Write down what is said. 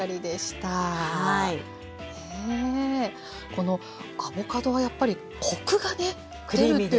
このアボカドはやっぱりコクがね出るっていうのが。